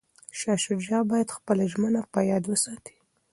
شاه شجاع باید خپله ژمنه په یاد وساتي.